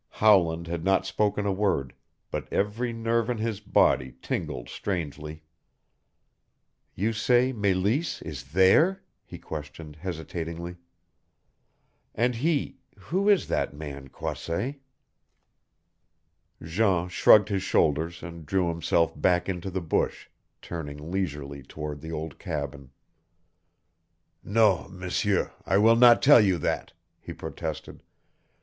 Howland had not spoken a word, but every nerve in his body tingled strangely. "You say Meleese is there?" he questioned hesitatingly. "And he who is that man, Croisset?" Jean shrugged his shoulders and drew himself back into the bush, turning leisurely toward the old cabin. "Non, M'seur, I will not tell you that," he protested.